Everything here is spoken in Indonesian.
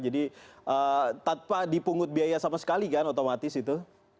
jadi tanpa dipungut biaya sama sekali kan otomatis itu